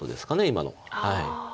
今の。